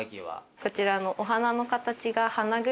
こちらの。